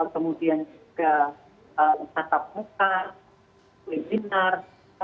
kemudian juga tatap muka webinar